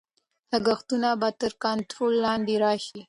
لګښتونه به تر کنټرول لاندې راشي.